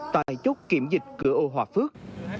tại chốt kiểm dịch cửa ô hòa phước